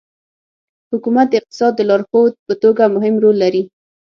حکومت د اقتصاد د لارښود په توګه مهم رول لري.